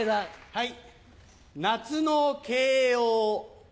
はい。